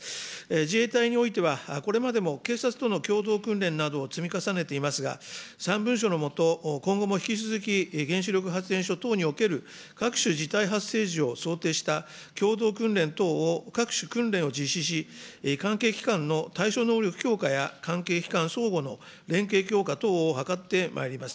自衛隊においては、これまでも警察との共同訓練などを積み重ねていますが、三文書の下、今後も引き続き原子力発電所等における各種事態発生時を想定した共同訓練等を各種訓練を実施し、関係機関の対処能力強化や関係機関相互の連携強化等を図ってまいります。